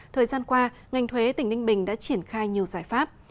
thời gian qua ngành thuế tỉnh ninh bình đã triển khai nhiều giải pháp